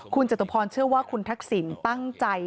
คุณจตุพรเชื่อว่าคุณทักษิณตั้งใจ